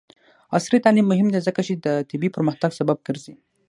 عصري تعلیم مهم دی ځکه چې د طبي پرمختګ سبب ګرځي.